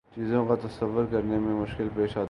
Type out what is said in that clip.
چیزوں کا تصور کرنے میں مشکل پیش آتی ہے